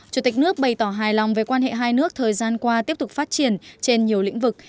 chủ tịch nước bày tỏ hài lòng về quan hệ hai nước thời gian qua tiếp tục phát triển trên nhiều lĩnh vực